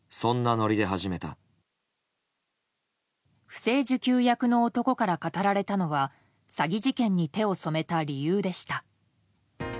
不正受給役の男から語られたのは詐欺事件に手を染めた理由でした。